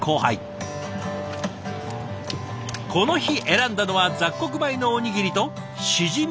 この日選んだのは雑穀米のおにぎりとしじみのみそ汁。